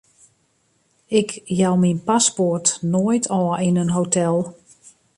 Ik jou myn paspoart noait ôf yn in hotel.